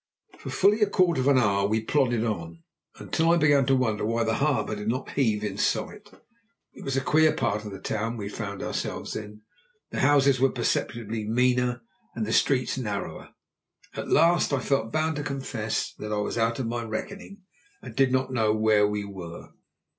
For fully a quarter of an hour we plodded on, until I began to wonder why the harbour did not heave in sight. It was a queer part of the town we found ourselves in; the houses were perceptibly meaner and the streets narrower. At last I felt bound to confess that I was out of my reckoning, and did not know where we were.